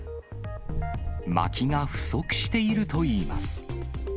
まきが不足しているといいます。